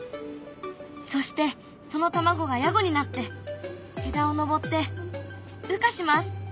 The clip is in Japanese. そしてその卵がヤゴになって枝を登って羽化します。